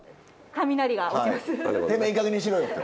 雷が落ちます。